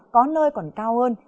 có nơi còn cao hơn